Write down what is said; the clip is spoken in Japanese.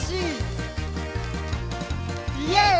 「イェーイ！」